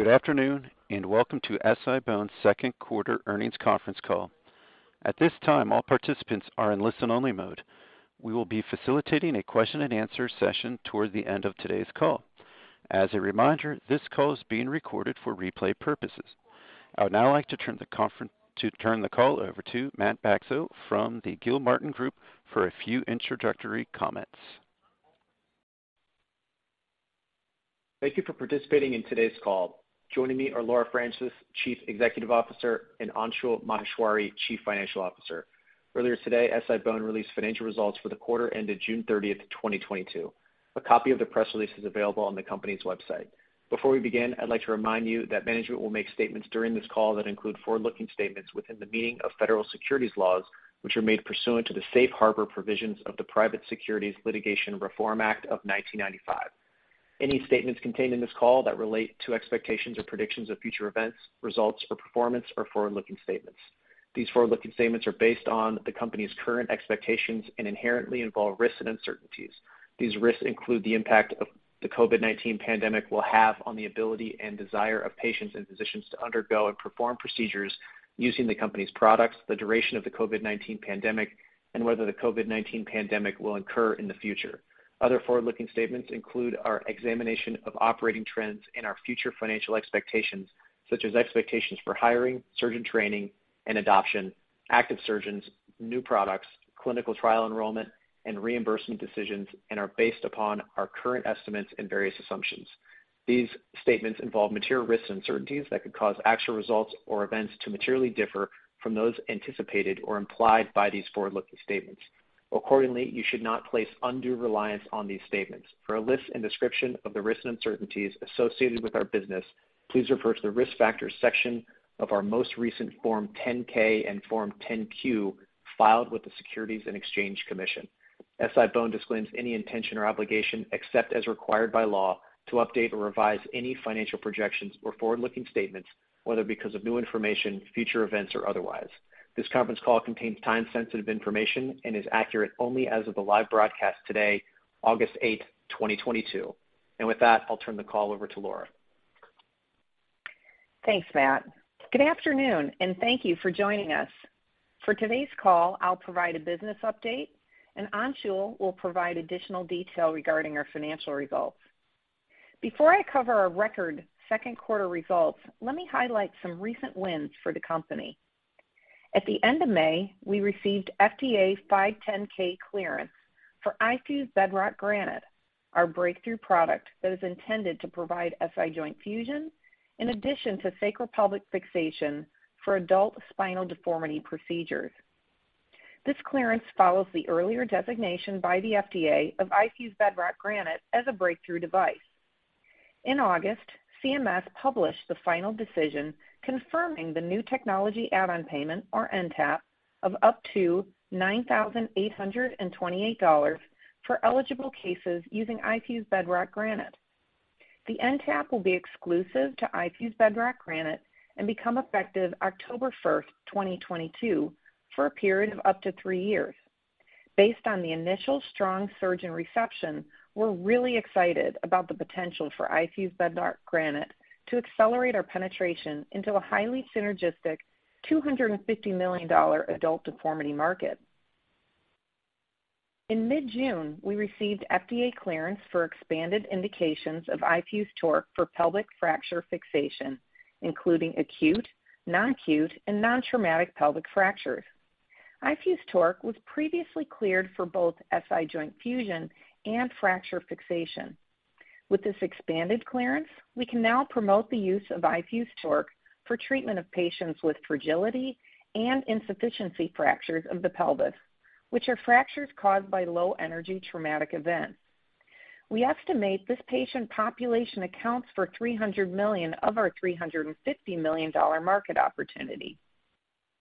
Good afternoon, and welcome to SI-BONE's Q2 Earnings Conference Call. At this time, all participants are in listen-only mode. We will be facilitating a Q&A session toward the end of today's call. As a reminder, this call is being recorded for replay purposes. I would now like to turn the call over to Matt Bacso from the Gilmartin Group for a few introductory comments. Thank you for participating in today's call. Joining me are Laura Francis, Chief Executive Officer, and Anshul Maheshwari, Chief Financial Officer. Earlier today, SI-BONE released financial results for the quarter ended June 30th, 2022. A copy of the press release is available on the company's website. Before we begin, I'd like to remind you that management will make statements during this call that include forward-looking statements within the meaning of federal securities laws, which are made pursuant to the safe harbor provisions of the Private Securities Litigation Reform Act of 1995. Any statements contained in this call that relate to expectations or predictions of future events, results or performance are forward-looking statements. These forward-looking statements are based on the company's current expectations and inherently involve risks and uncertainties. These risks include the impact of the COVID-19 pandemic will have on the ability and desire of patients and physicians to undergo and perform procedures using the company's products, the duration of the COVID-19 pandemic, and whether the COVID-19 pandemic will occur in the future. Other forward-looking statements include our examination of operating trends and our future financial expectations, such as expectations for hiring, surgeon training and adoption, active surgeons, new products, clinical trial enrollment, and reimbursement decisions, and are based upon our current estimates and various assumptions. These statements involve material risks and uncertainties that could cause actual results or events to materially differ from those anticipated or implied by these forward-looking statements. Accordingly, you should not place undue reliance on these statements. For a list and description of the risks and uncertainties associated with our business, please refer to the Risk Factors section of our most recent Form 10-K and Form 10-Q filed with the Securities and Exchange Commission. SI-BONE disclaims any intention or obligation, except as required by law, to update or revise any financial projections or forward-looking statements, whether because of new information, future events or otherwise. This conference call contains time-sensitive information and is accurate only as of the live broadcast today, August 8th, 2022. With that, I'll turn the call over to Laura. Thanks, Matt. Good afternoon, and thank you for joining us. For today's call, I'll provide a business update, and Anshul will provide additional detail regarding our financial results. Before I cover our record Q2 results, let me highlight some recent wins for the company. At the end of May, we received FDA 510(k) clearance for iFuse Bedrock Granite, our breakthrough product that is intended to provide SI joint fusion in addition to sacropelvic fixation for adult spinal deformity procedures. This clearance follows the earlier designation by the FDA of iFuse Bedrock Granite as a breakthrough device. In August, CMS published the final decision confirming the new technology add-on payment, or NTAP, of up to $9,828 for eligible cases using iFuse Bedrock Granite. The NTAP will be exclusive to iFuse Bedrock Granite and become effective October 1st, 2022, for a period of up to three years. Based on the initial strong surgeon reception, we're really excited about the potential for iFuse Bedrock Granite to accelerate our penetration into a highly synergistic $250 million adult deformity market. In mid-June, we received FDA clearance for expanded indications of iFuse TORQ for pelvic fracture fixation, including acute, non-acute, and non-traumatic pelvic fractures. iFuse TORQ was previously cleared for both SI joint fusion and fracture fixation. With this expanded clearance, we can now promote the use of iFuse TORQ for treatment of patients with fragility and insufficiency fractures of the pelvis, which are fractures caused by low-energy traumatic events. We estimate this patient population accounts for $300 million of our $350 million market opportunity.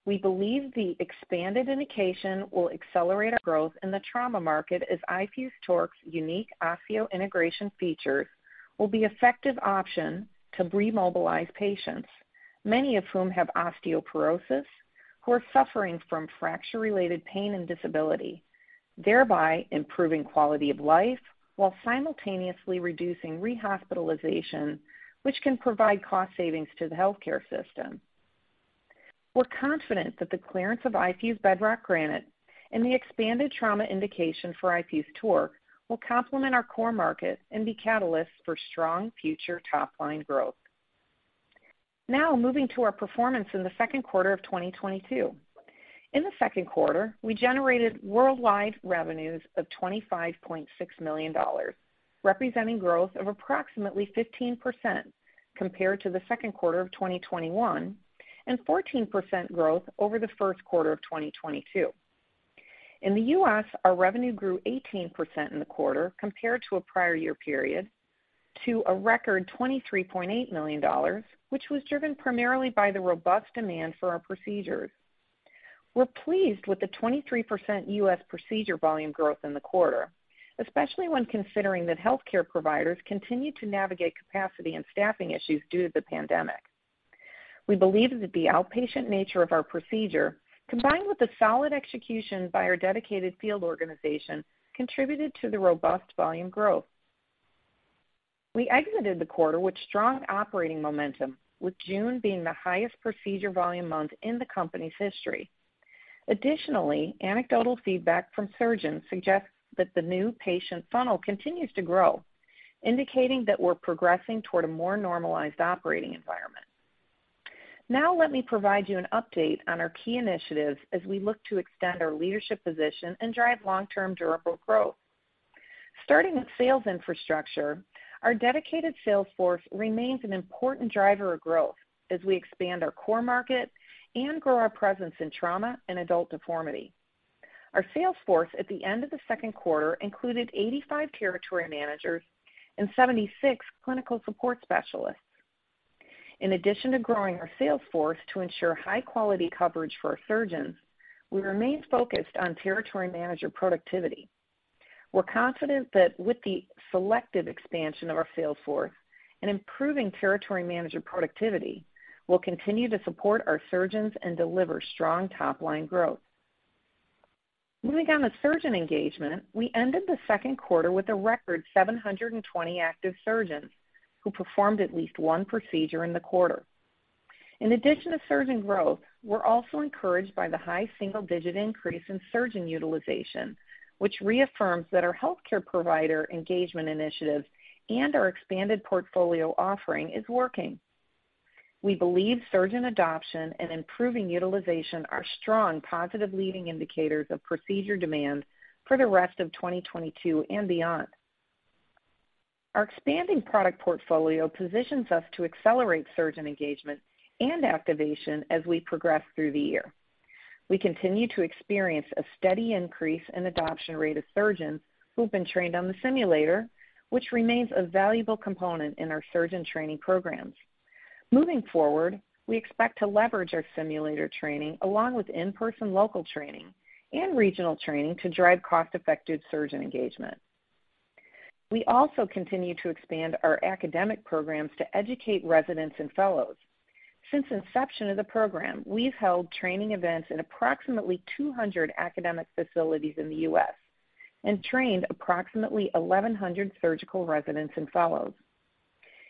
We believe the expanded indication will accelerate our growth in the trauma market as iFuse TORQ's unique osseointegration features will be effective option to remobilize patients, many of whom have osteoporosis, who are suffering from fracture-related pain and disability, thereby improving quality of life while simultaneously reducing rehospitalization, which can provide cost savings to the healthcare system. We're confident that the clearance of iFuse Bedrock Granite and the expanded trauma indication for iFuse TORQ will complement our core market and be catalysts for strong future top-line growth. Now moving to our performance in the Q2 of 2022. In the Q2, we generated worldwide revenues of $25.6 million, representing growth of approximately 15% compared to the Q2 of 2021 and 14% growth over the Q1 of 2022. In the U.S., our revenue grew 18% in the quarter compared to a prior year period to a record $23.8 million, which was driven primarily by the robust demand for our procedures. We're pleased with the 23% U.S. procedure volume growth in the quarter, especially when considering that healthcare providers continue to navigate capacity and staffing issues due to the pandemic. We believe that the outpatient nature of our procedure, combined with the solid execution by our dedicated field organization, contributed to the robust volume growth. We exited the quarter with strong operating momentum, with June being the highest procedure volume month in the company's history. Additionally, anecdotal feedback from surgeons suggests that the new patient funnel continues to grow, indicating that we're progressing toward a more normalized operating environment. Now let me provide you an update on our key initiatives as we look to extend our leadership position and drive long-term durable growth. Starting with sales infrastructure, our dedicated sales force remains an important driver of growth as we expand our core market and grow our presence in trauma and adult deformity. Our sales force at the end of the Q2 included 85 territory managers and 76 clinical support specialists. In addition to growing our sales force to ensure high-quality coverage for our surgeons, we remain focused on territory manager productivity. We're confident that with the selective expansion of our sales force and improving territory manager productivity, we'll continue to support our surgeons and deliver strong top-line growth. Moving on to surgeon engagement, we ended the Q2 with a record 720 active surgeons who performed at least one procedure in the quarter. In addition to surgeon growth, we're also encouraged by the high single-digit increase in surgeon utilization, which reaffirms that our healthcare provider engagement initiatives and our expanded portfolio offering is working. We believe surgeon adoption and improving utilization are strong positive leading indicators of procedure demand for the rest of 2022 and beyond. Our expanding product portfolio positions us to accelerate surgeon engagement and activation as we progress through the year. We continue to experience a steady increase in adoption rate of surgeons who've been trained on the simulator, which remains a valuable component in our surgeon training programs. Moving forward, we expect to leverage our simulator training along with in-person local training and regional training to drive cost-effective surgeon engagement. We also continue to expand our academic programs to educate residents and fellows. Since inception of the program, we've held training events in approximately 200 academic facilities in the U.S. and trained approximately 1,100 surgical residents and fellows.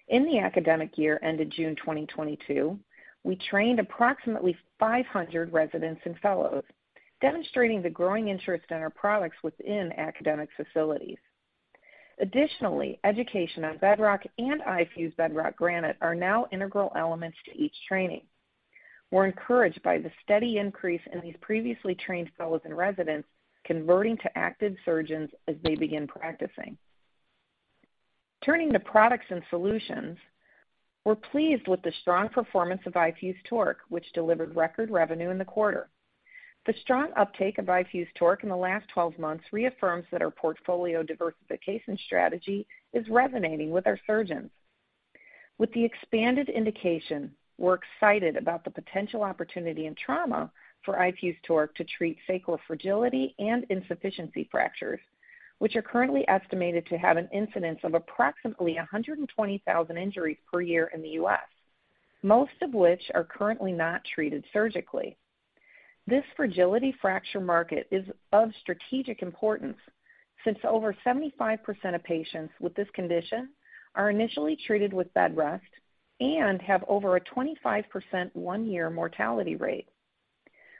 In the academic year ended June 2022, we trained approximately 500 residents and fellows, demonstrating the growing interest in our products within academic facilities. Additionally, education on Bedrock and iFuse Bedrock Granite are now integral elements to each training. We're encouraged by the steady increase in these previously trained fellows and residents converting to active surgeons as they begin practicing. Turning to products and solutions, we're pleased with the strong performance of iFuse TORQ, which delivered record revenue in the quarter. The strong uptake of iFuse TORQ in the last 12 months reaffirms that our portfolio diversification strategy is resonating with our surgeons. With the expanded indication, we're excited about the potential opportunity in trauma for iFuse TORQ to treat sacral fragility and insufficiency fractures, which are currently estimated to have an incidence of approximately 120,000 injuries per year in the U.S., most of which are currently not treated surgically. This fragility fracture market is of strategic importance since over 75% of patients with this condition are initially treated with bed rest and have over a 25% one-year mortality rate.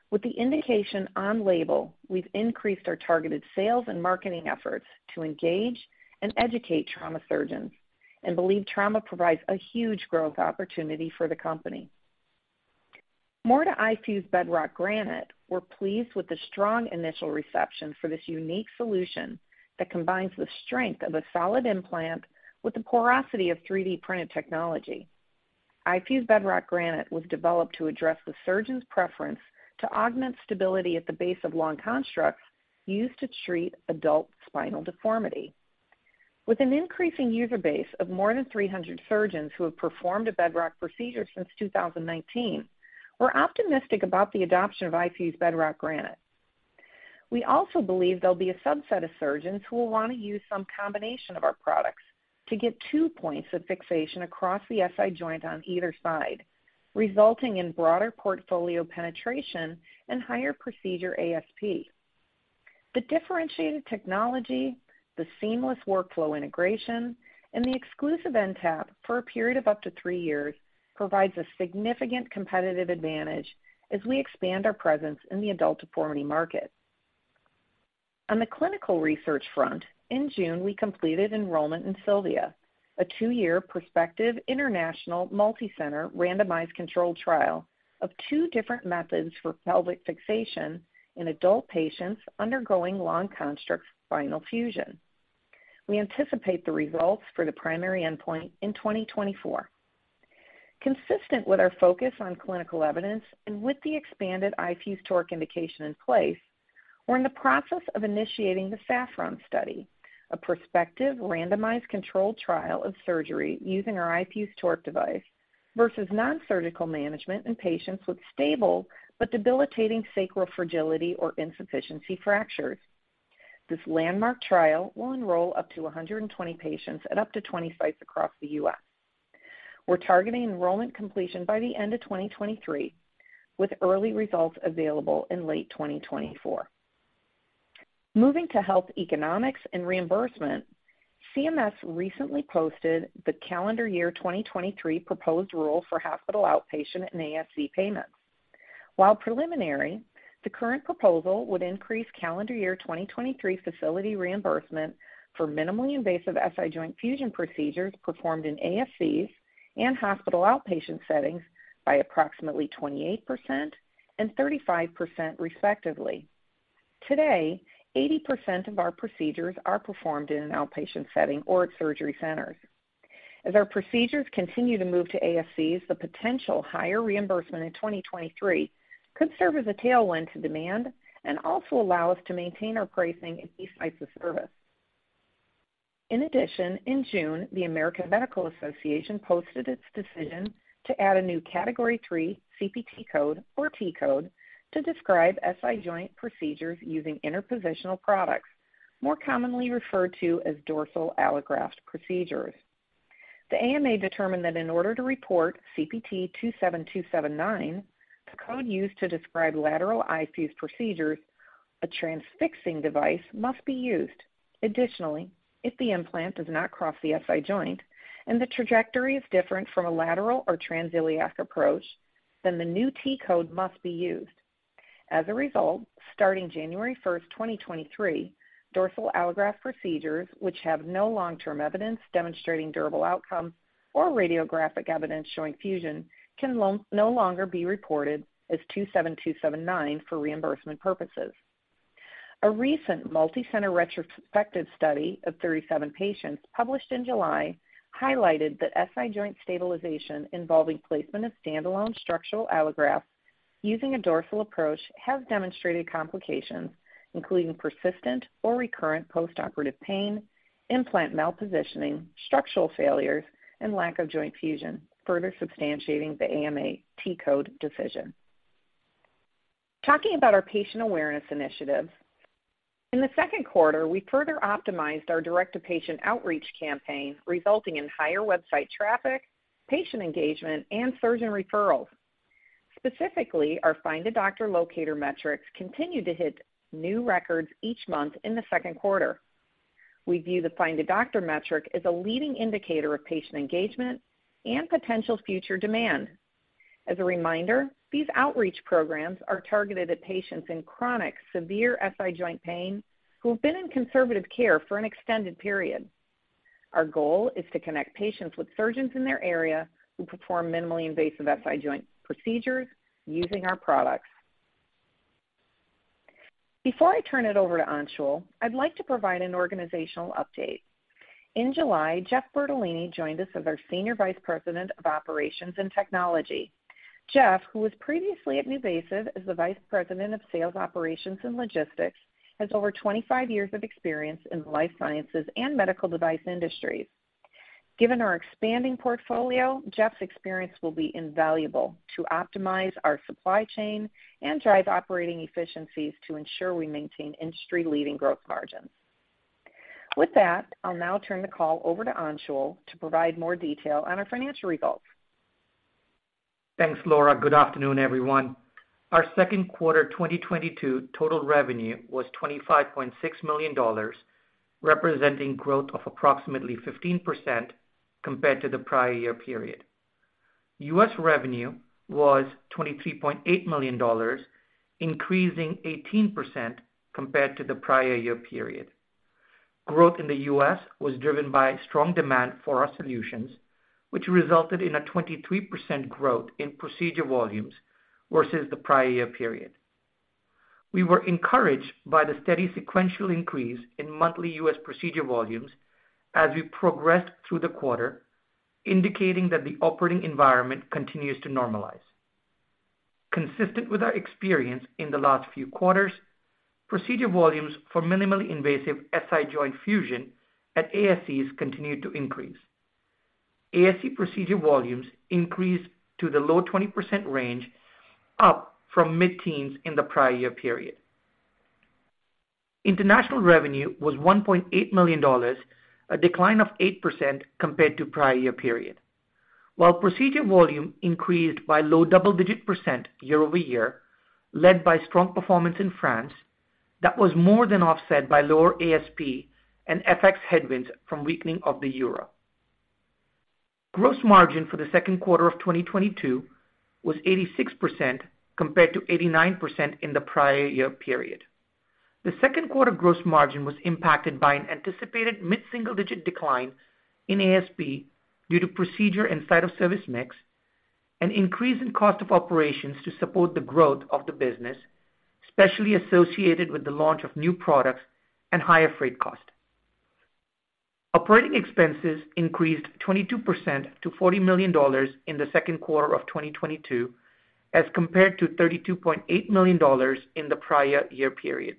With the indication on label, we've increased our targeted sales and marketing efforts to engage and educate trauma surgeons and believe trauma provides a huge growth opportunity for the company. Moving to iFuse Bedrock Granite, we're pleased with the strong initial reception for this unique solution that combines the strength of a solid implant with the porosity of 3D printed technology. iFuse Bedrock Granite was developed to address the surgeon's preference to augment stability at the base of long constructs used to treat adult spinal deformity. With an increasing user base of more than 300 surgeons who have performed a Bedrock procedure since 2019, we're optimistic about the adoption of iFuse Bedrock Granite. We also believe there'll be a subset of surgeons who will want to use some combination of our products to get two points of fixation across the SI joint on either side, resulting in broader portfolio penetration and higher procedure ASP. The differentiated technology, the seamless workflow integration, and the exclusive NTAP for a period of up to three years provides a significant competitive advantage as we expand our presence in the adult deformity market. On the clinical research front, in June, we completed enrollment in SILVIA, a two-year prospective international multicenter randomized controlled trial of two different methods for pelvic fixation in adult patients undergoing long construct spinal fusion. We anticipate the results for the primary endpoint in 2024. Consistent with our focus on clinical evidence and with the expanded iFuse TORQ indication in place, we're in the process of initiating the SAFFRON study, a prospective randomized controlled trial of surgery using our iFuse TORQ device versus nonsurgical management in patients with stable but debilitating sacral fragility or insufficiency fractures. This landmark trial will enroll up to 120 patients at up to 20 sites across the U.S. We're targeting enrollment completion by the end of 2023, with early results available in late 2024. Moving to health economics and reimbursement, CMS recently posted the calendar year 2023 proposed rule for hospital outpatient and ASC payments. While preliminary, the current proposal would increase calendar year 2023 facility reimbursement for minimally invasive SI joint fusion procedures performed in ASCs and hospital outpatient settings by approximately 28% and 35% respectively. Today, 80% of our procedures are performed in an outpatient setting or at surgery centers. As our procedures continue to move to ASCs, the potential higher reimbursement in 2023 could serve as a tailwind to demand and also allow us to maintain our pricing in these sites of service. In addition, in June, the American Medical Association posted its decision to add a new Category III CPT code, or T code, to describe SI joint procedures using interpositional products, more commonly referred to as dorsal allograft procedures. The AMA determined that in order to report CPT 27279, the code used to describe lateral iFuse procedures, a transfixing device must be used. Additionally, if the implant does not cross the SI joint and the trajectory is different from a lateral or transiliac approach, then the new T code must be used. As a result, starting January 1st, 2023, dorsal allograft procedures which have no long-term evidence demonstrating durable outcome or radiographic evidence showing fusion can no longer be reported as 27279 for reimbursement purposes. A recent multicenter retrospective study of 37 patients published in July highlighted that SI joint stabilization involving placement of stand-alone structural allograft using a dorsal approach has demonstrated complications, including persistent or recurrent postoperative pain, implant malpositioning, structural failures, and lack of joint fusion, further substantiating the AMA T code decision. Talking about our patient awareness initiatives. In the second quarter, we further optimized our direct-to-patient outreach campaign, resulting in higher website traffic, patient engagement, and surgeon referrals. Specifically, our Find a Doctor locator metrics continued to hit new records each month in the second quarter. We view the Find a Doctor metric as a leading indicator of patient engagement and potential future demand. As a reminder, these outreach programs are targeted at patients in chronic severe SI joint pain who have been in conservative care for an extended period. Our goal is to connect patients with surgeons in their area who perform minimally invasive SI joint procedures using our products. Before I turn it over to Anshul, I'd like to provide an organizational update. In July, Jeff Bertolini joined us as our Senior Vice President of Operations and Technology. Jeff, who was previously at NuVasive as the Vice President of Sales, Operations and Logistics, has over 25 years of experience in the life sciences and medical device industries. Given our expanding portfolio, Jeff's experience will be invaluable to optimize our supply chain and drive operating efficiencies to ensure we maintain industry-leading growth margins. With that, I'll now turn the call over to Anshul to provide more detail on our financial results. Thanks, Laura. Good afternoon, everyone. Our Q2 2022 total revenue was $25.6 million, representing growth of approximately 15% compared to the prior year period. U.S. revenue was $23.8 million, increasing 18% compared to the prior year period. Growth in the U.S. was driven by strong demand for our solutions, which resulted in a 23% growth in procedure volumes versus the prior year period. We were encouraged by the steady sequential increase in monthly U.S. procedure volumes as we progressed through the quarter, indicating that the operating environment continues to normalize. Consistent with our experience in the last few quarters, procedure volumes for minimally invasive SI joint fusion at ASCs continued to increase. ASC procedure volumes increased to the low 20% range, up from mid-teens in the prior year period. International revenue was $1.8 million, a decline of 8% compared to prior year period. While procedure volume increased by low double-digit % year-over-year, led by strong performance in France, that was more than offset by lower ASP and FX headwinds from weakening of the euro. Gross margin for the Q2 of 2022 was 86%, compared to 89% in the prior year period. The Q2 gross margin was impacted by an anticipated mid-single-digit decline in ASP due to procedure and site of service mix, an increase in cost of operations to support the growth of the business, especially associated with the launch of new products and higher freight cost. Operating expenses increased 22% to $40 million in the Q2 of 2022, as compared to $32.8 million in the prior year period.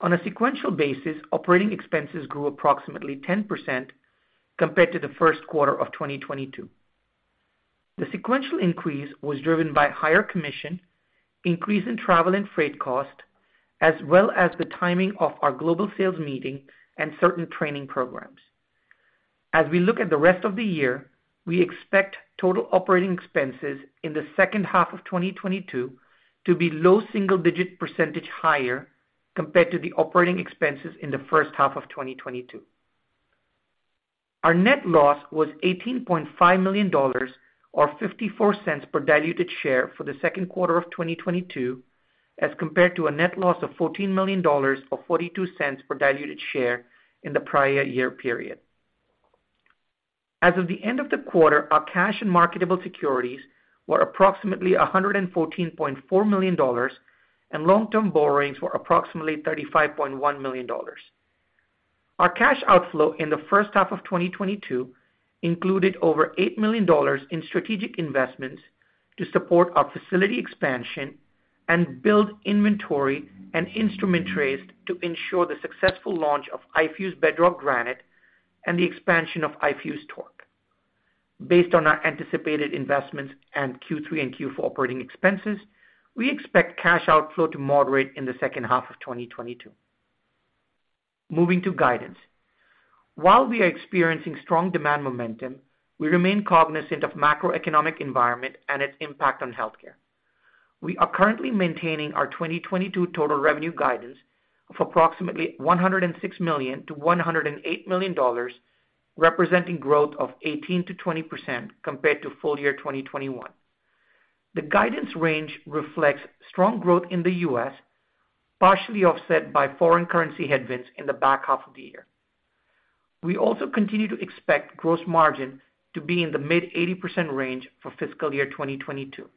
On a sequential basis, operating expenses grew approximately 10% compared to the Q1 of 2022. The sequential increase was driven by higher commission, increase in travel and freight cost, as well as the timing of our global sales meeting and certain training programs. As we look at the rest of the year, we expect total operating expenses in the second half of 2022 to be low single-digit percentage higher compared to the operating expenses in the first half of 2022. Our net loss was $18.5 million or $0.54 per diluted share for the Q2 of 2022, as compared to a net loss of $14 million or $0.42 per diluted share in the prior year period. As of the end of the quarter, our cash and marketable securities were approximately $114.4 million, and long-term borrowings were approximately $35.1 million. Our cash outflow in the first half of 2022 included over $8 million in strategic investments to support our facility expansion and build inventory and instrument trays to ensure the successful launch of iFuse Bedrock Granite and the expansion of iFuse TORQ. Based on our anticipated investments and Q3 and Q4 operating expenses, we expect cash outflow to moderate in the second half of 2022. Moving to guidance. While we are experiencing strong demand momentum, we remain cognizant of macroeconomic environment and its impact on healthcare. We are currently maintaining our 2022 total revenue guidance of approximately $106 million to $108 million, representing growth of 18% to 20% compared to full year 2021. The guidance range reflects strong growth in the U.S., partially offset by foreign currency headwinds in the back half of the year. We also continue to expect gross margin to be in the mid-80% range for fiscal year 2022.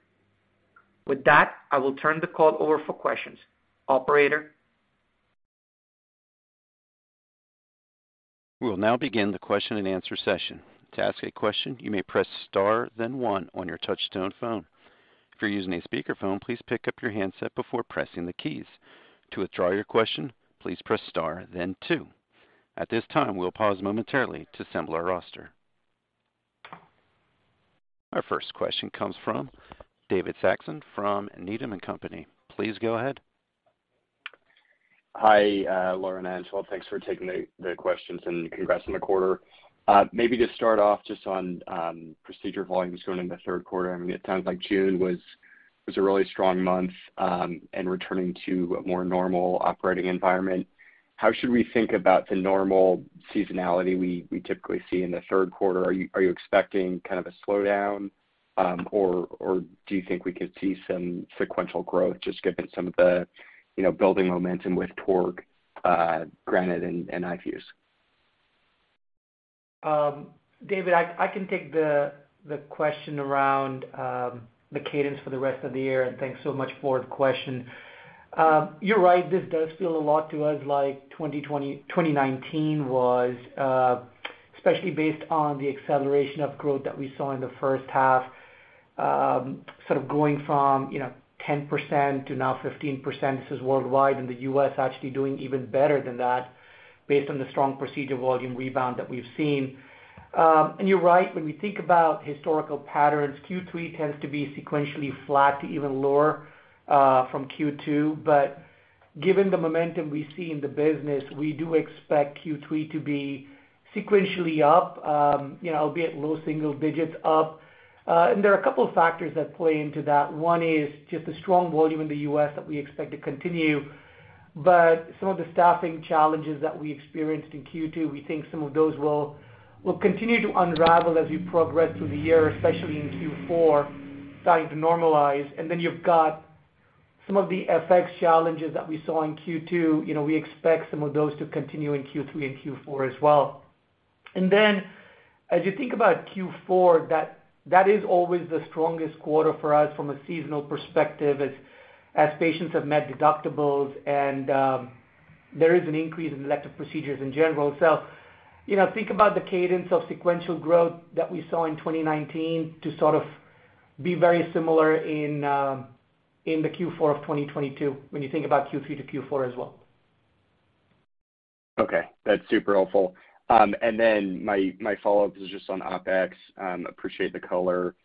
With that, I will turn the call over for questions. Operator? We will now begin the Q&A session. To ask a question, you may press star, then one on your touchtone phone. If you're using a speakerphone, please pick up your handset before pressing the keys. To withdraw your question, please press star then two. At this time, we'll pause momentarily to assemble our roster. Our first question comes from David Saxon from Needham & Company. Please go ahead. Hi, Laura and Anshul. Thanks for taking the questions and congrats on the quarter. Maybe to start off just on procedure volumes going into the Q3. I mean, it sounds like June was a really strong month, and returning to a more normal operating environment. How should we think about the normal seasonality we typically see in the Q3? Are you expecting kind of a slowdown, or do you think we could see some sequential growth just given some of the, you know, building momentum with TORQ, Granite, and iFuse? David, I can take the question around the cadence for the rest of the year, and thanks so much for the question. You're right, this does feel a lot to us like 2019 was, especially based on the acceleration of growth that we saw in the first half, sort of going from, you know, 10% to now 15%. This is worldwide, and the U.S. actually doing even better than that based on the strong procedure volume rebound that we've seen. You're right, when we think about historical patterns, Q3 tends to be sequentially flat to even lower from Q2. Given the momentum we see in the business, we do expect Q3 to be sequentially up, you know, albeit low single digits up. There are a couple of factors that play into that. One is just the strong volume in the U.S. that we expect to continue. Some of the staffing challenges that we experienced in Q2, we think some of those will continue to unravel as we progress through the year, especially in Q4, starting to normalize. Then you've got some of the FX challenges that we saw in Q2. You know, we expect some of those to continue in Q3 and Q4 as well. Then as you think about Q4, that is always the strongest quarter for us from a seasonal perspective as patients have met deductibles and there is an increase in elective procedures in general. You know, think about the cadence of sequential growth that we saw in 2019 to sort of be very similar in the Q4 of 2022, when you think about Q3 to Q4 as well. Okay, that's super helpful. My follow-up is just on OpEx. Appreciate the color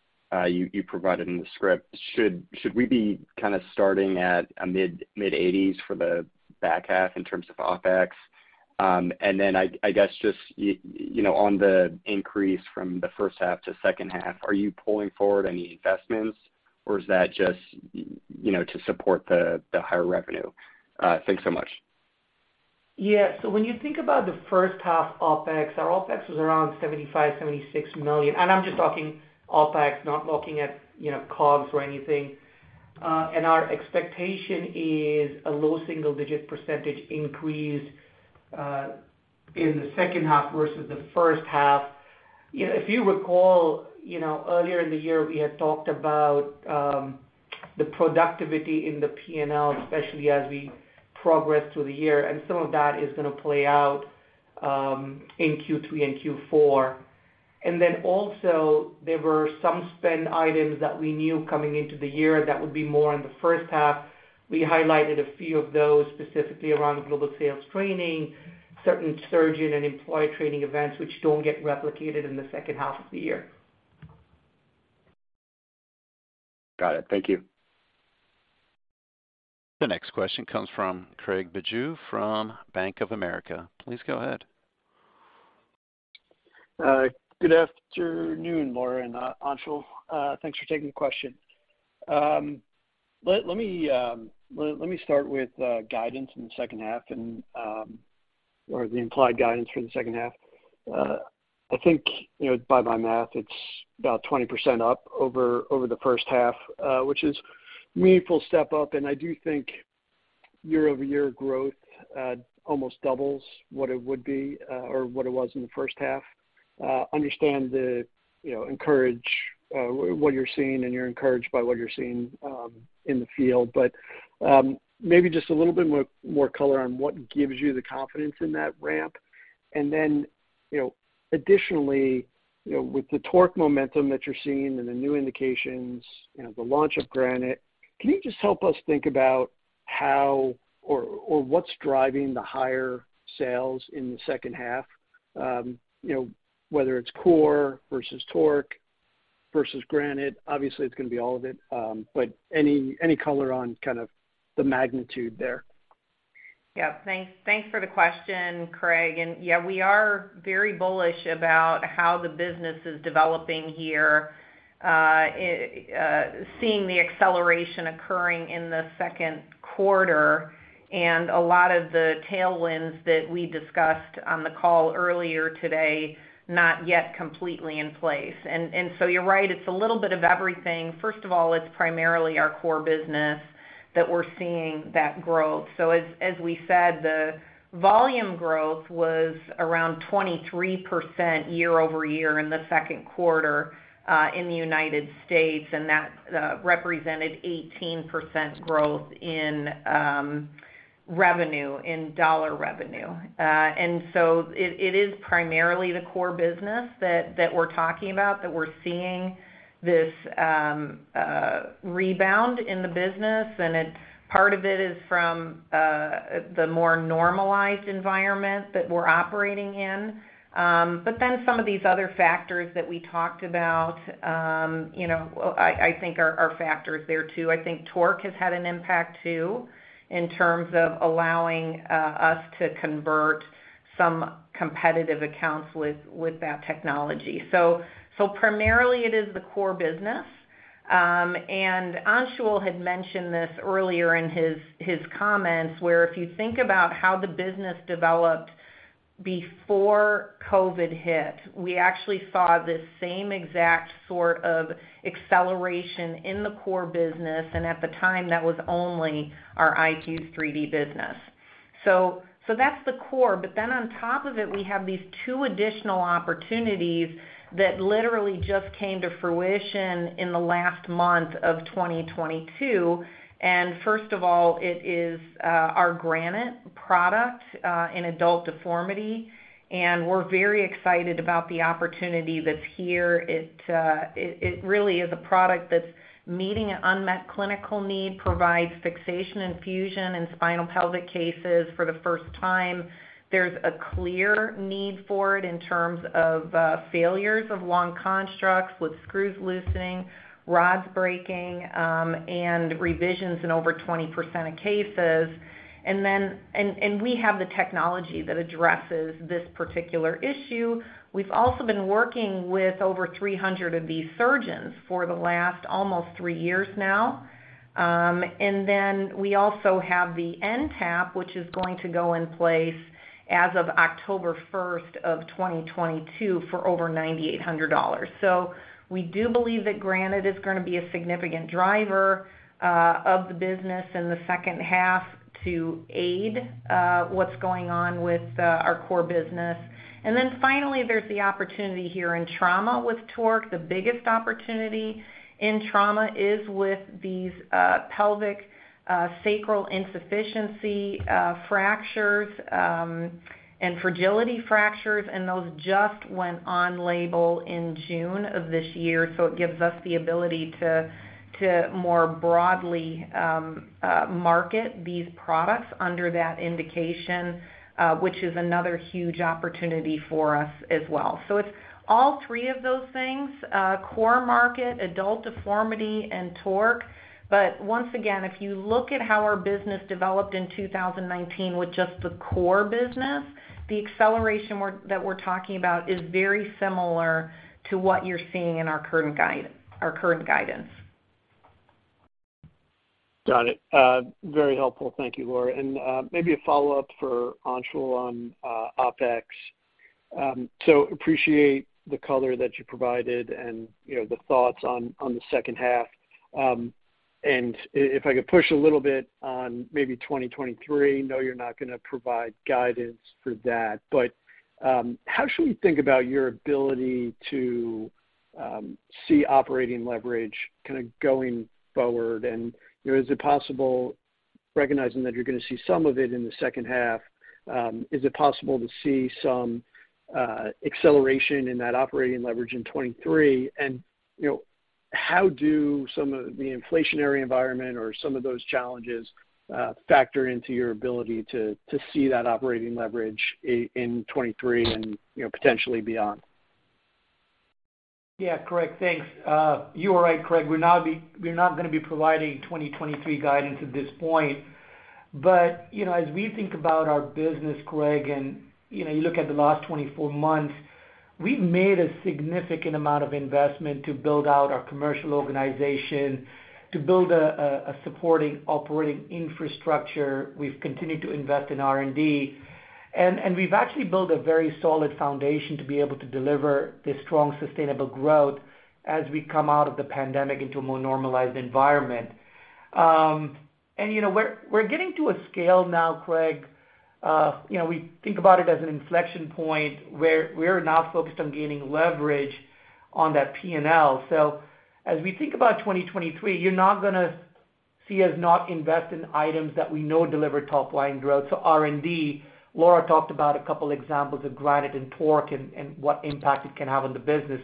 you provided in the script. Should we be kinda starting at a mid-80s for the back half in terms of OpEx? I guess just, you know, on the increase from the first half to second half, are you pulling forward any investments or is that just, you know, to support the higher revenue? Thanks so much. When you think about the first half OpEx, our OpEx was around $75million to $76 million, and I'm just talking OpEx, not looking at, you know, COGS or anything. Our expectation is a low single-digit % increase in the second half versus the first half. You know, if you recall, you know, earlier in the year we had talked about the productivity in the P&L, especially as we progress through the year, and some of that is gonna play out in Q3 and Q4. And then also, there were some spend items that we knew coming into the year that would be more in the first half. We highlighted a few of those specifically around global sales training, certain surgeon and employee training events which don't get replicated in the second half of the year. Got it. Thank you. The next question comes from Craig Bijou from Bank of America. Please go ahead. Good afternoon, Laura and Anshul. Thanks for taking the question. Let me start with guidance in the second half or the implied guidance for the second half. I think, you know, by my math, it's about 20% up over the first half, which is meaningful step up, and I do think year-over-year growth almost doubles what it would be or what it was in the first half. I understand you're encouraged by what you're seeing in the field. Maybe just a little bit more color on what gives you the confidence in that ramp. You know, additionally, you know, with the TORQ momentum that you're seeing and the new indications, you know, the launch of Granite, can you just help us think about how or what's driving the higher sales in the second half? You know, whether it's core versus TORQ versus Granite. Obviously, it's gonna be all of it, but any color on kind of the magnitude there. Yeah. Thanks for the question, Craig. Yeah, we are very bullish about how the business is developing here, seeing the acceleration occurring in the Q2 and a lot of the tailwinds that we discussed on the call earlier today, not yet completely in place. So you're right, it's a little bit of everything. First of all, it's primarily our core business that we're seeing that growth. So as we said, the volume growth was around 23% year-over-year in the Q2 in the United States, and that represented 18% growth in revenue, in dollar revenue. And so it is primarily the core business that we're talking about, that we're seeing this rebound in the business. Part of it is from the more normalized environment that we're operating in. Some of these other factors that we talked about, you know, I think are factors there too. I think TORQ has had an impact too in terms of allowing us to convert some competitive accounts with that technology. Primarily it is the core business. Anshul had mentioned this earlier in his comments, where if you think about how the business developed before COVID-19 hit, we actually saw this same exact sort of acceleration in the core business, and at the time, that was only our iFuse 3D business. That's the core. On top of it, we have these two additional opportunities that literally just came to fruition in the last month of 2022. First of all, it is our Granite product in adult deformity, and we're very excited about the opportunity that's here. It really is a product that's meeting an unmet clinical need, provides fixation and fusion in sacropelvic cases for the first time. There's a clear need for it in terms of failures of long constructs with screws loosening, rods breaking, and revisions in over 20% of cases. We have the technology that addresses this particular issue. We've also been working with over 300 of these surgeons for the last almost three years now. We also have the NTAP, which is going to go in place as of October 1st of 2022 for over $9,800. We do believe that Granite is gonna be a significant driver of the business in the second half to aid what's going on with our core business. Finally, there's the opportunity here in trauma with TORQ. The biggest opportunity in trauma is with these pelvic sacral insufficiency fractures and fragility fractures, and those just went on label in June of this year. It gives us the ability to more broadly market these products under that indication, which is another huge opportunity for us as well. It's all three of those things, core market, adult deformity, and TORQ. Once again, if you look at how our business developed in 2019 with just the core business, the acceleration that we're talking about is very similar to what you're seeing in our current guidance. Got it. Very helpful. Thank you, Laura. Maybe a follow-up for Anshul on OpEx. Appreciate the color that you provided and, you know, the thoughts on the second half. If I could push a little bit on maybe 2023, you know, you're not gonna provide guidance for that, but how should we think about your ability to see operating leverage kinda going forward? You know, is it possible, recognizing that you're gonna see some of it in the second half, is it possible to see some acceleration in that operating leverage in 2023? You know, how do some of the inflationary environment or some of those challenges factor into your ability to see that operating leverage in 2023 and, you know, potentially beyond? Yeah. Craig, thanks. You are right, Craig. We're now not gonna be providing 2023 guidance at this point. You know, as we think about our business, Craig, and you know, you look at the last 24 months, we've made a significant amount of investment to build out our commercial organization, to build a supporting operating infrastructure. We've continued to invest in R&D. We've actually built a very solid foundation to be able to deliver this strong, sustainable growth as we come out of the pandemic into a more normalized environment. You know, we're getting to a scale now, Craig, you know, we think about it as an inflection point where we're now focused on gaining leverage on that P&L. As we think about 2023, you're not gonna see us not invest in items that we know deliver top line growth. R&D, Laura talked about a couple examples of Granite and TORQ and what impact it can have on the business.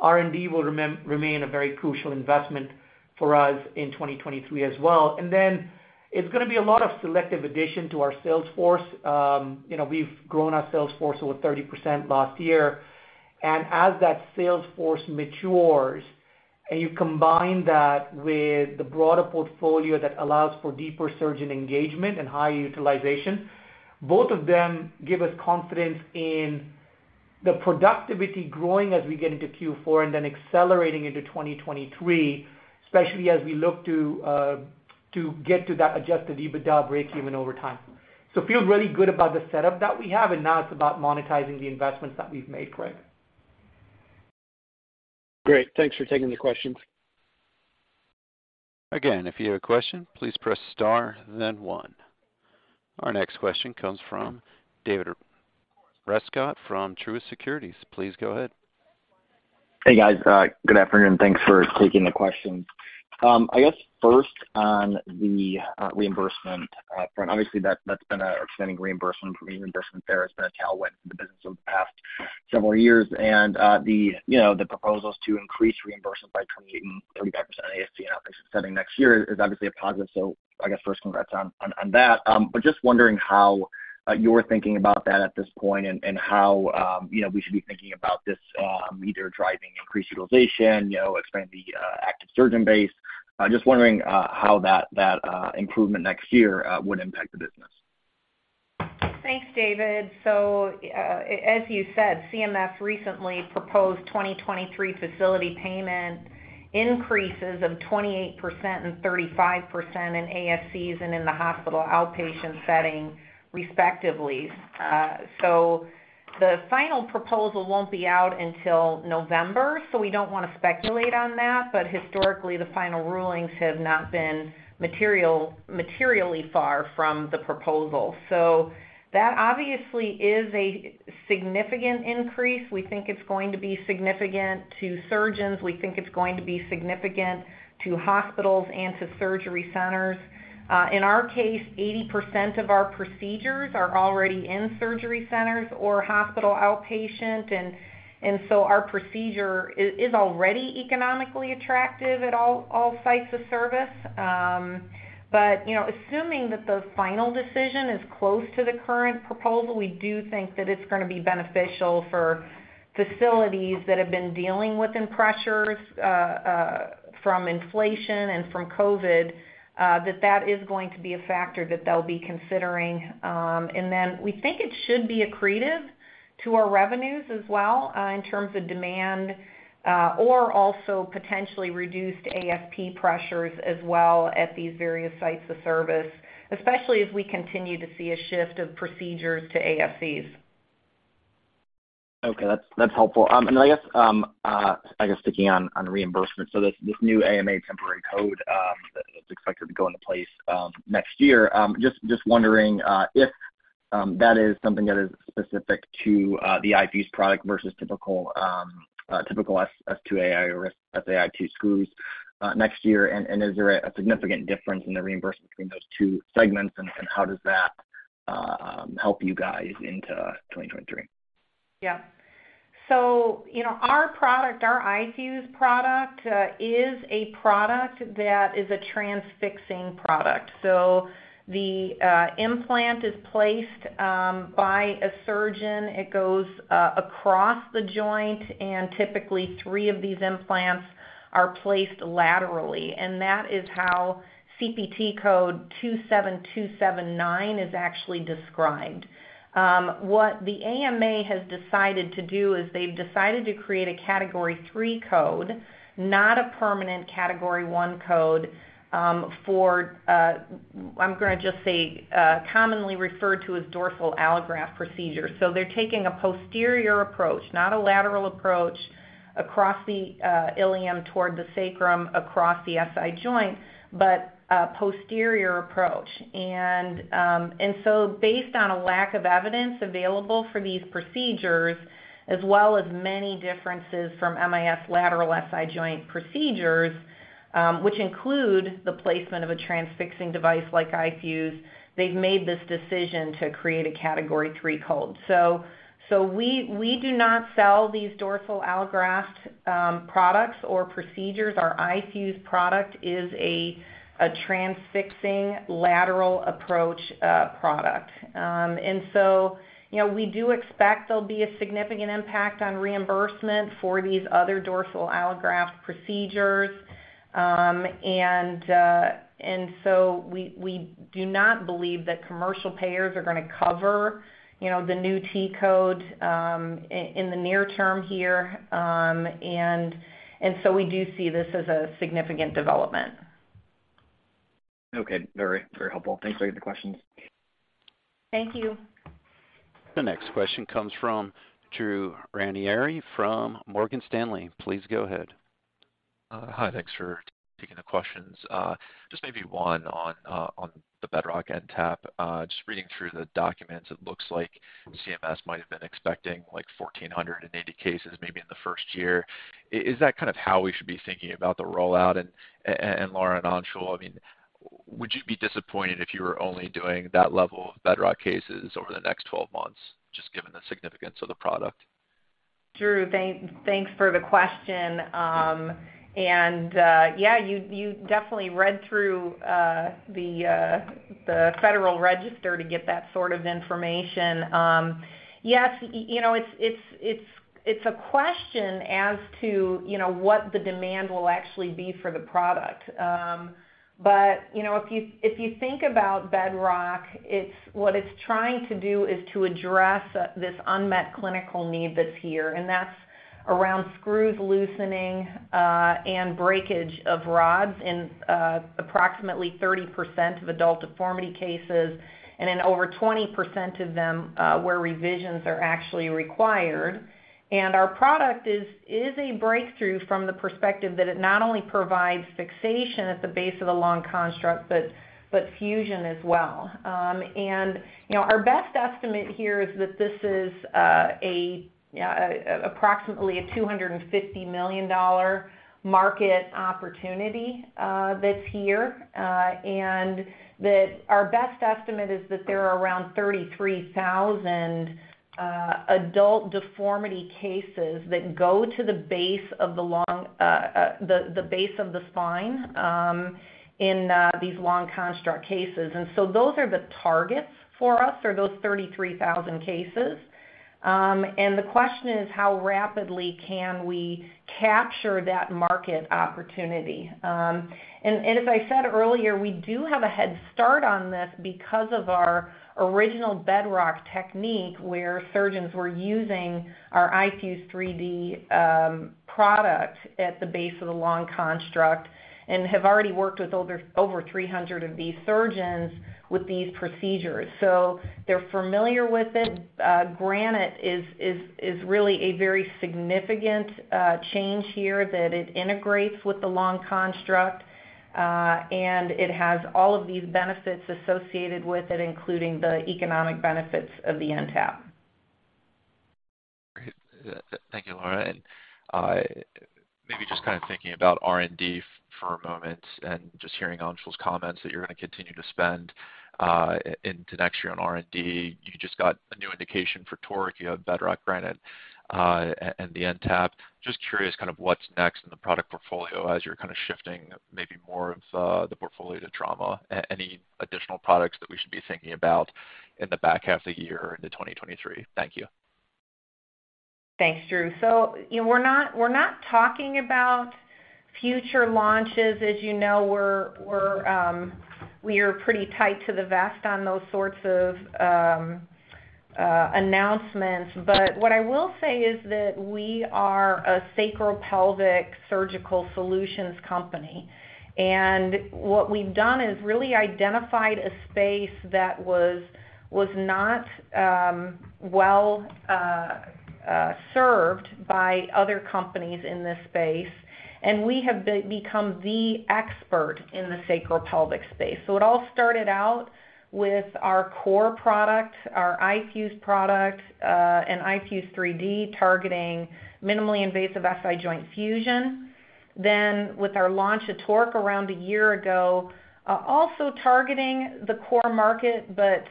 R&D will remain a very crucial investment for us in 2023 as well. It's gonna be a lot of selective addition to our sales force. You know, we've grown our sales force over 30% last year. As that sales force matures, and you combine that with the broader portfolio that allows for deeper surgeon engagement and higher utilization, both of them give us confidence in the productivity growing as we get into Q4 and then accelerating into 2023, especially as we look to get to that adjusted EBITDA breakeven over time. Feel really good about the setup that we have, and now it's about monetizing the investments that we've made, Craig. Great. Thanks for taking the questions. Again, if you have a question, please press star then one. Our next question comes from David Rescott from Truist Securities. Please go ahead. Hey, guys. Good afternoon. Thanks for taking the questions. I guess first on the reimbursement front, obviously that's been a tailwind for the business over the past several years. You know, the proposals to increase reimbursement by 28% and 35% in ASC outpatient setting next year is obviously a positive. I guess first congrats on that. Just wondering how you're thinking about that at this point and how you know we should be thinking about this matter driving increased utilization, you know, expanding the active surgeon base. Just wondering how that improvement next year would impact the business. Thanks, David. As you said, CMS recently proposed 2023 facility payment increases of 28% and 35% in ASCs and in the hospital outpatient setting respectively. The final proposal won't be out until November, so we don't wanna speculate on that. Historically, the final rulings have not been materially far from the proposal. That obviously is a significant increase. We think it's going to be significant to surgeons. We think it's going to be significant to hospitals and to surgery centers. In our case, 80% of our procedures are already in surgery centers or hospital outpatient. Our procedure is already economically attractive at all sites of service. You know, assuming that the final decision is close to the current proposal, we do think that it's gonna be beneficial for facilities that have been dealing with pressures from inflation and from COVID, that is going to be a factor that they'll be considering. Then we think it should be accretive to our revenues as well in terms of demand or also potentially reduced ASP pressures as well at these various sites of service, especially as we continue to see a shift of procedures to ASCs. Okay. That's helpful. I guess sticking on reimbursement, so this new AMA temporary code that is expected to go into place next year, just wondering if that is something that is specific to the iFuse product versus typical S2AI or S2AI screws next year and is there a significant difference in the reimbursement between those two segments, and how does that help you guys into 2023? Yeah. You know, our product, our iFuse product, is a product that is a transfixing product. The implant is placed by a surgeon. It goes across the joint, and typically three of these implants are placed laterally. That is how CPT code 27279 is actually described. What the AMA has decided to do is they've decided to create a Category III code, not a permanent Category I code, for, I'm gonna just say, commonly referred to as dorsal allograft procedure. They're taking a posterior approach, not a lateral approach across the ilium toward the sacrum, across the SI joint, but a posterior approach. Based on a lack of evidence available for these procedures, as well as many differences from MIS lateral SI joint procedures, which include the placement of a transfixing device like iFuse, they've made this decision to create a Category III code. We do not sell these dorsal allograft products or procedures. Our iFuse product is a transfixing lateral approach product. You know, we do expect there'll be a significant impact on reimbursement for these other dorsal allograft procedures. We do not believe that commercial payers are gonna cover, you know, the new T code in the near term here. We do see this as a significant development. Okay. Very, very helpful. Thanks. Grade the questions. Thank you. The next question comes from Drew Ranieri from Morgan Stanley. Please go ahead. Hi. Thanks for taking the questions. Just maybe one on the Bedrock NTAP. Just reading through the documents, it looks like CMS might have been expecting like 1,480 cases maybe in the first year. Is that kind of how we should be thinking about the rollout? Laura and Anshul, I mean, would you be disappointed if you were only doing that level of Bedrock cases over the next 12 months, just given the significance of the product? Drew, thanks for the question. You definitely read through the Federal Register to get that sort of information. Yes, you know, it's a question as to, you know, what the demand will actually be for the product. You know, if you think about Bedrock, it's what it's trying to do is to address this unmet clinical need that's here, and that's around screws loosening and breakage of rods in approximately 30% of adult deformity cases, and in over 20% of them where revisions are actually required. Our product is a breakthrough from the perspective that it not only provides fixation at the base of a long construct, but fusion as well. You know, our best estimate here is that this is approximately a $250 million market opportunity that's here. Our best estimate is that there are around 33,000 adult deformity cases that go to the base of the long construct, the base of the spine, in these long construct cases. Those are the targets for us, those 33,000 cases. The question is how rapidly can we capture that market opportunity? As I said earlier, we do have a head start on this because of our original Bedrock technique where surgeons were using our iFuse 3D product at the base of the long construct and have already worked with over 300 of these surgeons with these procedures. They're familiar with it. Granite is really a very significant change here that it integrates with the long construct, and it has all of these benefits associated with it, including the economic benefits of the NTAP. Great. Thank you, Laura. Maybe just kind of thinking about R&D for a moment and just hearing Anshul's comments that you're gonna continue to spend into next year on R&D. You just got a new indication for iFuse TORQ. You have iFuse Bedrock Granite, and the NTAP. Just curious kind of what's next in the product portfolio as you're kind of shifting maybe more of the portfolio to trauma. Any additional products that we should be thinking about in the back half of the year into 2023? Thank you. Thanks, Drew. You know, we're not talking about future launches. As you know, we are pretty close to the vest on those sorts of announcements. What I will say is that we are a sacropelvic surgical solutions company. What we've done is really identified a space that was not served by other companies in this space, and we have become the expert in the sacropelvic space. It all started out with our core product, our iFuse product, and iFuse 3D targeting minimally invasive SI joint fusion. With our launch of TORQ around a year ago, also targeting the core market, but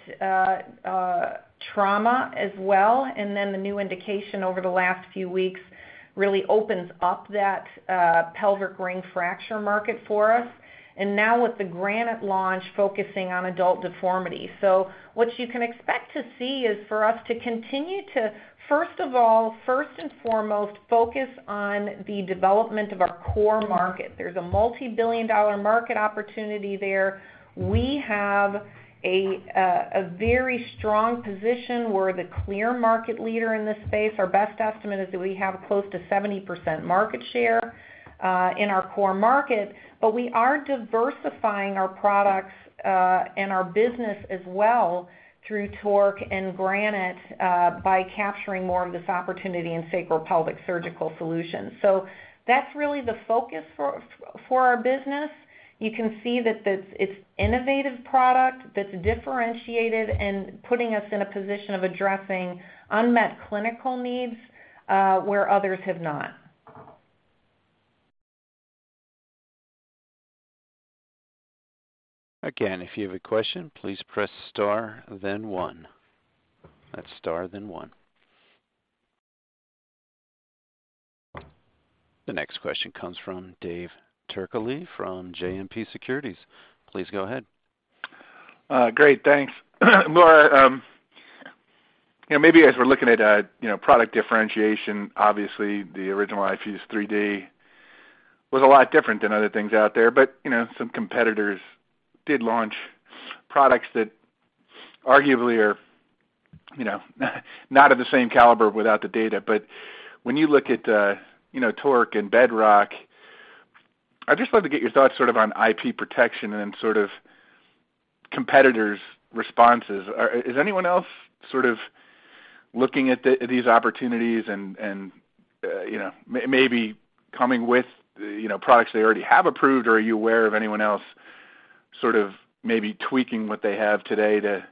trauma as well, and the new indication over the last few weeks really opens up that pelvic ring fracture market for us. Now with the Granite launch focusing on adult deformity. What you can expect to see is for us to continue to first of all first and foremost focus on the development of our core market. There's a multi-billion dollar market opportunity there. We have a very strong position. We're the clear market leader in this space. Our best estimate is that we have close to 70% market share in our core market, but we are diversifying our products and our business as well through TORQ and Granite by capturing more of this opportunity in sacropelvic surgical solutions. That's really the focus for our business. You can see that this is innovative product that's differentiated and putting us in a position of addressing unmet clinical needs where others have not. Again, if you have a question, please press star then one. That's star then one. The next question comes from Dave Turkaly from JMP Securities. Please go ahead. Great, thanks. Laura, you know, maybe as we're looking at, you know, product differentiation, obviously, the original iFuse 3D was a lot different than other things out there. You know, some competitors did launch products that arguably are, you know, not of the same caliber without the data. When you look at, you know, TORQ and Bedrock, I'd just love to get your thoughts sort of on IP protection and then sort of competitors' responses. Is anyone else sort of looking at these opportunities and, you know, maybe coming with, you know, products they already have approved, or are you aware of anyone else sort of maybe tweaking what they have today to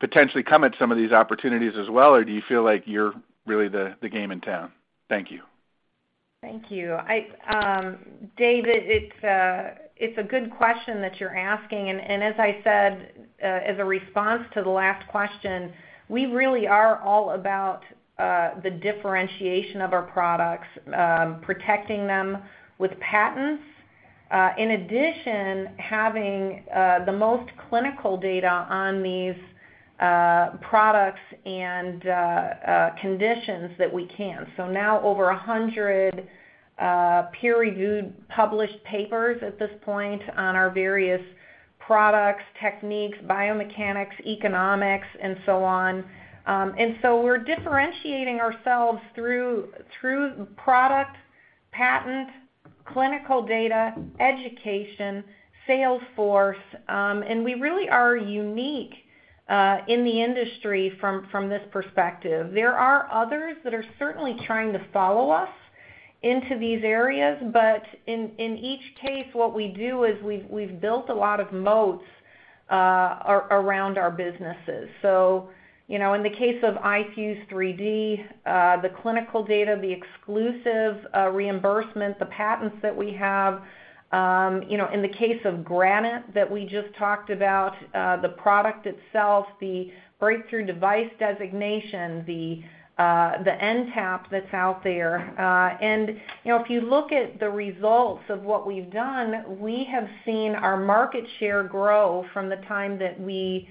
potentially come at some of these opportunities as well? Do you feel like you're really the game in town? Thank you. Thank you. David, it's a good question that you're asking and, as I said, as a response to the last question, we really are all about the differentiation of our products, protecting them with patents. In addition, having the most clinical data on these products and conditions that we can. Now over 100 peer-reviewed published papers at this point on our various products, techniques, biomechanics, economics, and so on. We're differentiating ourselves through product, patent, clinical data, education, sales force. We really are unique in the industry from this perspective. There are others that are certainly trying to follow us into these areas, but in each case, what we do is we've built a lot of moats around our businesses. You know, in the case of iFuse 3D, the clinical data, the exclusive, reimbursement, the patents that we have. You know, in the case of Granite that we just talked about, the product itself, the breakthrough device designation, the NTAP that's out there. You know, if you look at the results of what we've done, we have seen our market share grow from the time that we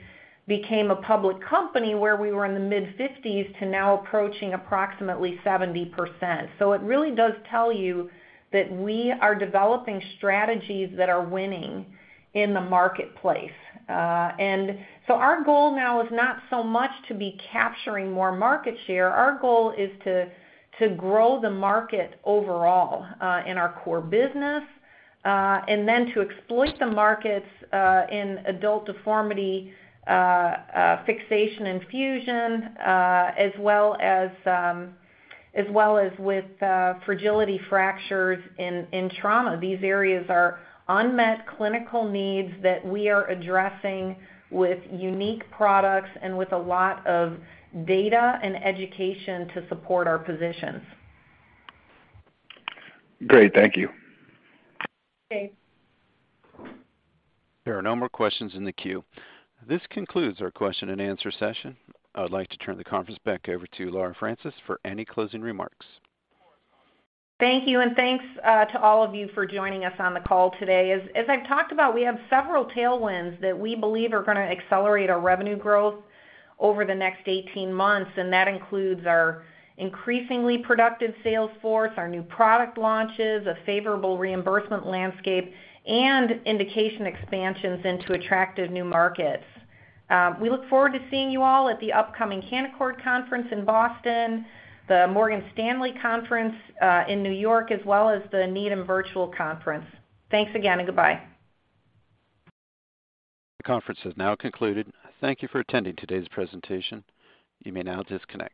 became a public company, where we were in the mid-50s to now approaching approximately 70%. It really does tell you that we are developing strategies that are winning in the marketplace. Our goal now is not so much to be capturing more market share. Our goal is to grow the market overall in our core business, and then to exploit the markets in adult deformity fixation and fusion, as well as with fragility fractures in trauma. These areas are unmet clinical needs that we are addressing with unique products and with a lot of data and education to support our positions. Great. Thank you. Okay. There are no more questions in the queue. This concludes our Q&A session. I would like to turn the Conference back over to Laura Francis for any closing remarks. Thank you, and thanks to all of you for joining us on the call today. As I've talked about, we have several tailwinds that we believe are gonna accelerate our revenue growth over the next 18 months, and that includes our increasingly productive sales force, our new product launches, a favorable reimbursement landscape, and indication expansions into attractive new markets. We look forward to seeing you all at the upcoming Canaccord Genuity Annual Growth Conference in Boston, the Morgan Stanley Conference in New York, as well as the Needham Virtual Growth Conference. Thanks again, and goodbye. The Conference has now concluded. Thank you for attending today's presentation. You may now disconnect.